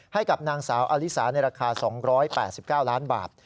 ให้กับนางสาวอลิสาในราคา๒๘๙ล้านบาท